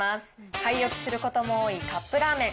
買い置きすることも多いカップラーメン。